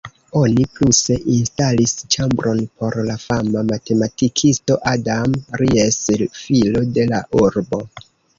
Oni pluse instalis ĉambron por la fama matematikisto Adam Ries, filo de la urbo.